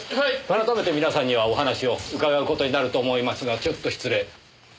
改めて皆さんにはお話を伺う事になると思いますがちょっと失礼。